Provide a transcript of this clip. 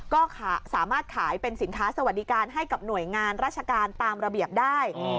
ก็สามารถขายเป็นสินค้าสวัสดิการให้กับหน่วยงานราชการตามระเบียบได้